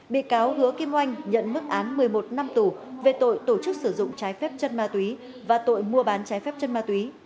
bị cáo hứa kim oanh nhận mức án một mươi một năm tù về tội tổ chức sử dụng trái phép chất ma túy và tội mua bán trái phép chân ma túy